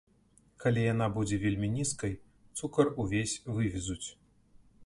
Калі яна будзе вельмі нізкай, цукар ўвесь вывезуць.